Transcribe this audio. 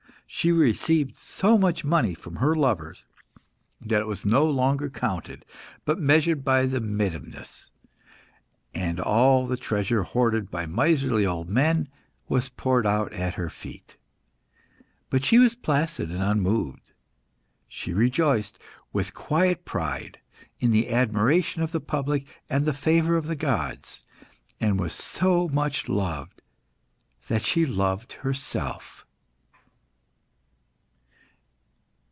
She received so much money from her lovers that it was no longer counted, but measured by the medimnus, and all the treasure hoarded by miserly old men was poured out at her feet. But she was placid and unmoved. She rejoiced, with quiet pride, in the admiration of the public and the favour of the gods, and was so much loved that she loved herself.